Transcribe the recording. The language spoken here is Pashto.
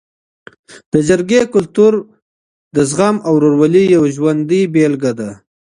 د جرګې کلتور د زغم او ورورولۍ یو ژوندی بېلګه ده.